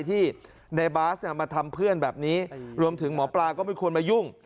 ที่ในบาสมาทำเพื่อนแบบนี้รวมถึงหมอปลาก็ไม่ควรมายุ่ง